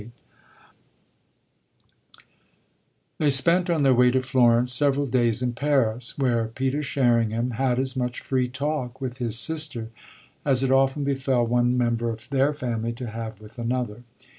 XXVIII They spent on their way to Florence several days in Paris, where Peter Sherringham had as much free talk with his sister as it often befell one member of their family to have with another.